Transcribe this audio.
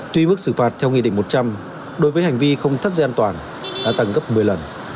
tuy mức xử phạt theo nghị định một trăm linh đối với hành vi không thắt dây an toàn đã tăng gấp một mươi lần